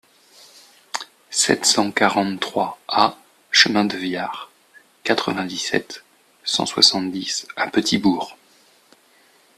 sept cent quarante-trois A chemin de Viard, quatre-vingt-dix-sept, cent soixante-dix à Petit-Bourg